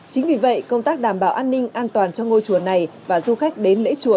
chính vì vậy công tác đảm bảo an ninh an toàn cho ngôi chùa này và du khách đến lễ chùa